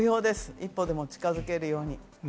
一歩でも近づけるように。